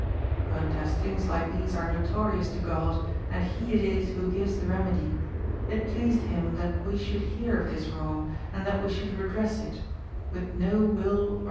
But as things like these are notorious to God, and he it is who gives the remedy, it pleased him that we should hear of this wrong, and that we should redress it; with no will or 112 AMADIS OF OAUL.